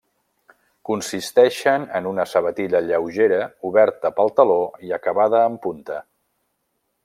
Consisteixen en una sabatilla lleugera oberta pel taló i acabada en punta.